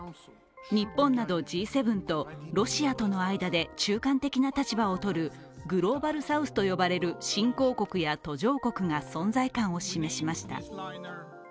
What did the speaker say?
日本などＧ７とロシアとの間で中間的な立場をとるグローバルサウスと呼ばれる新興国や途上国が存在感を示しました。